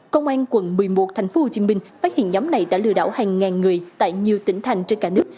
công an quận một mươi một tp hcm phát hiện nhóm này đã lừa đảo hàng ngàn người tại nhiều tỉnh thành trên cả nước